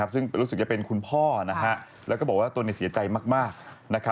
ซึ่งรู้สึกจะเป็นคุณพ่อแล้วก็บอกว่าตนเสียใจมาก